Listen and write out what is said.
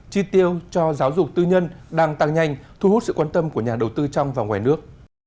chi tiêu cho giáo dục tư nhân đang tăng nhanh thu hút sự quan tâm của nhà đầu tư trong và ngoài nước